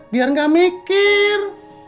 biar gak mikir